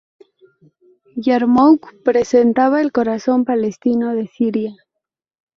Yarmouk representaba el corazón palestino de Siria.